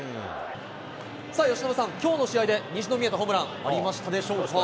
さあ由伸さん、きょうの試合で、虹の見えたホームラン、ありまし